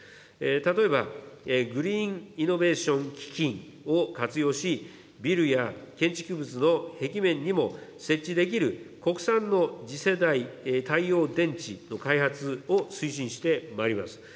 例えば、グリーンイノベーション基金を活用し、ビルや建築物の壁面にも設置できる、国産の次世代太陽電池の開発を推進してまいります。